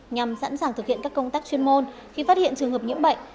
nhằm sẵn sàng thực hiện các công tác chuyên môn khi phát hiện trường hợp nhiễm bệnh